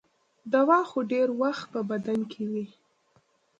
دوا خو ډېر وخت په بدن کې وي.